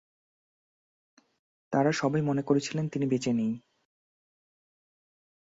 তারা সবাই মনে করেছিলেন তিনি বেঁচে নেই।